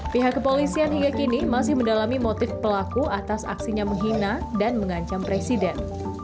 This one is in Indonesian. pihak kepolisian hingga kini masih mendalami motif pelaku atas aksinya menghina dan mengancam presiden